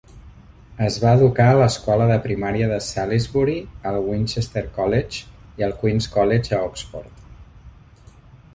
Es va educar a l'escola de primària de Salisbury, al Winchester College i al Queen's College, a Oxford.